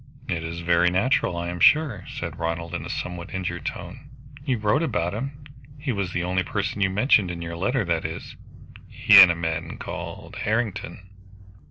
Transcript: "It is very natural, I am sure," said Ronald in a somewhat injured tone. "You wrote about him. He was the only person you mentioned in your letter that is, he and a man called Harrington."